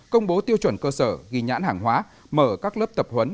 công bố tiêu chuẩn cơ sở ghi nhãn hàng hóa mở các lớp tập huấn